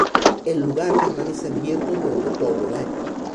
El lugar permanece abierto durante todo el año.